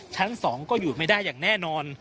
ชั้น๒ก็อยู่ไม่ได้อย่างแน่นอน